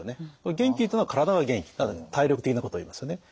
元気というのは体が元気体力的なことを言いますよね。